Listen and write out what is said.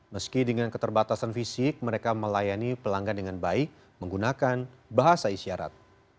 meski dengan keterbatasan fisik mereka melayani pelanggan dengan baik menggunakan bahasa isyarat